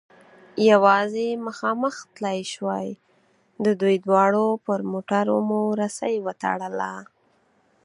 یوازې مخامخ تلای شوای، د دوی دواړو پر موټرو مو رسۍ و تړل.